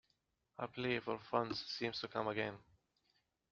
A plea for funds seems to come again.